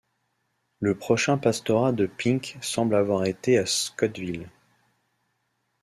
Le prochain pastorat de Pink semble avoir été à Scottsville.